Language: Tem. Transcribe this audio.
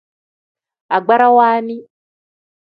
Agbarawa nni.